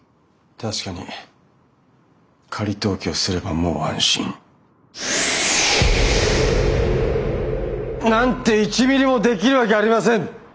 確かに仮登記をすればもう安心。なんて１ミリもできるわけありません！